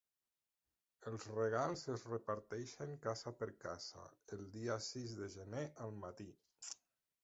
Els regals es reparteixen casa per casa el dia sis de gener al matí.